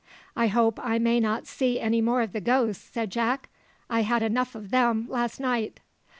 "I hope I may not see any more of the ghosts!" said Jack: "I had enough of them last night."